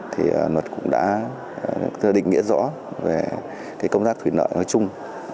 thì luật cũng đã định nghĩa rõ về công tác thủy nợ nói chung